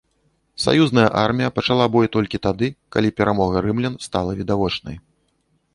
Саюзная армія пачала бой толькі тады, калі перамога рымлян стала відавочнай.